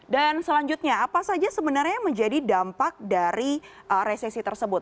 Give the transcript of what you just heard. dan selanjutnya apa saja sebenarnya yang menjadi dampak dari resesi tersebut